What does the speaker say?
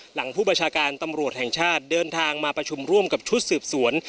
ผู้ประชาการตำรวจแห่งชาติเดินทางมาประชุมร่วมกับชุดสืบสวน